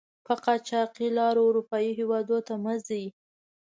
په قاچاقي لارو آروپایي هېودونو ته مه ځئ!